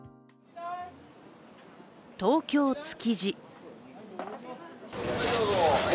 東京・築地。